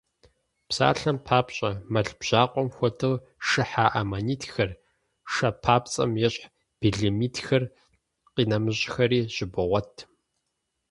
Псалъэм папщӀэ, мэл бжьакъуэм хуэдэу шыхьа аммонитхэр, шэ папцӀэм ещхь белемнитхэр, къинэмыщӀхэри щыбогъуэт.